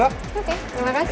oke terima kasih